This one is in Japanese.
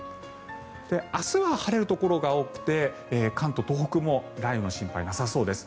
明日は晴れるところが多くて関東、東北も雷雨の心配はなさそうです。